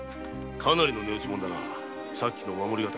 かなりの値打ちものだなさっきの「守り刀」。